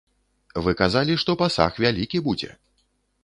Вы казалі, што пасаг вялікі будзе.